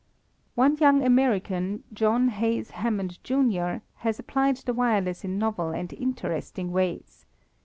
One young American, John Hays Hammond, Jr., has applied the wireless in novel and interesting ways.